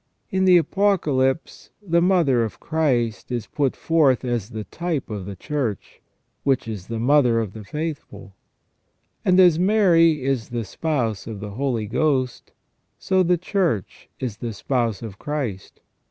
In the Apocalypse the Mother of Christ is put forth as the type of the Church, which is the mother of the faithful ; and as Mary is the spouse of the Holy Ghost, so the Church is the spouse of Christ.